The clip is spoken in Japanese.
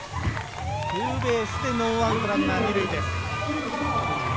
ツーベースでノーアウトランナー２塁です。